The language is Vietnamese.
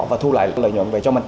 và thu lại lợi nhuận về cho mình